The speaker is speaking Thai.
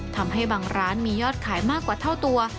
ทำให้บางร้านมียอดขายมากกว่าเท่าตัว